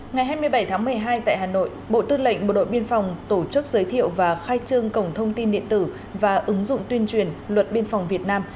ngày hai mươi bảy tháng một mươi hai tại hà nội bộ tư lệnh bộ đội biên phòng tổ chức giới thiệu và khai trương cổng thông tin điện tử và ứng dụng tuyên truyền luật biên phòng việt nam